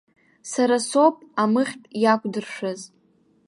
Сара соуп амыхьтә иақәдыршәаз.